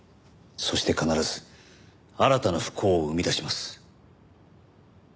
そして必ず新たな不幸を生み出します。